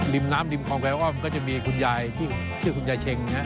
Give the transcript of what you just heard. ริมน้ำริมกองแกว่อ้อมก็จะมีคุณยายเชง